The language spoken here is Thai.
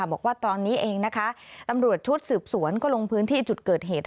บอกว่าตอนนี้เองนะคะตำรวจชุดสืบสวนก็ลงพื้นที่จุดเกิดเหตุ